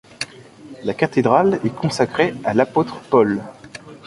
La cathédrale est consacrée à l'apôtre Paul.